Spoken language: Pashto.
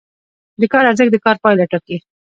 د کار ارزښت د کار پایله ټاکي.